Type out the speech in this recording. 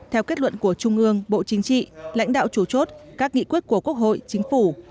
theo kết luận của trung ương bộ chính trị lãnh đạo chủ chốt các nghị quyết của quốc hội chính phủ